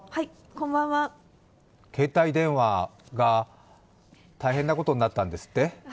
携帯電話が大変なことになったんですって？